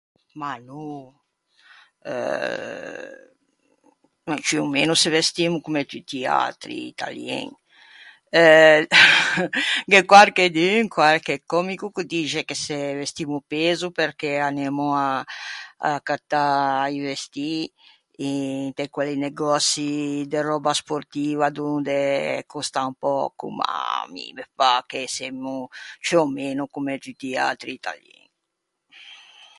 Ma no! Euh... ma ciù ò meno se vestiemo comme tutti i atri italien. Euh... gh'é quarchedun, quarche còmico, ch'o dixe che se vestimmo pezo perché anemmo à à cattâ i vestî inte quelli negòçi de röba sportiva donde costan pöco, ma mi me pâ che semmo ciù ò meno comme tutti i atri italien.